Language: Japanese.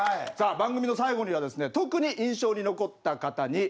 番組の最後には特に印象に残った方に